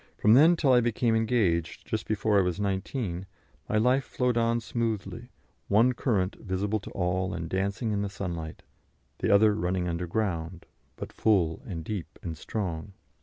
From then till I became engaged, just before I was 19, my life flowed on smoothly, one current visible to all and dancing in the sunlight, the other running underground, but full and deep and strong.